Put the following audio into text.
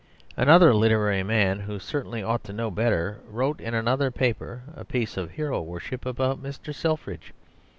Another literary man, who certainly ought to know better, wrote in another paper a piece of hero worship about Mr. Selfridge.